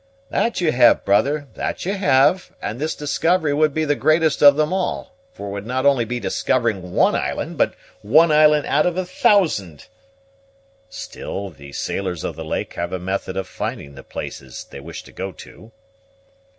"That you have, brother, that you have; and this discovery would be the greatest of them all; for it would not only be discovering one island, but one island out of a thousand." "Still, the sailors of the lake have a method of finding the places they wish to go to."